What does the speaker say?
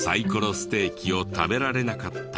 ステーキを食べられなかった